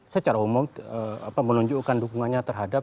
secara umum menunjukkan dukungannya terhadap